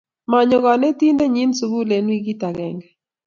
Manyo konetindenyin sukul eng' wikit agenge